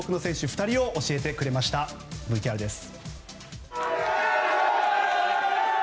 ２人教えてくれましたＶＴＲです。